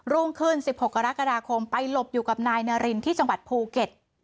รุ่งขึ้น๑๖กรกฎาคมไปหลบอยู่กับนายนารินที่จังหวัดภูเก็ต